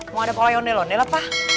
mau ada kola yonde londela pak